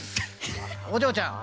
お嬢ちゃん。